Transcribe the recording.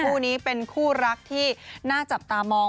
คู่นี้เป็นคู่รักที่น่าจับตามอง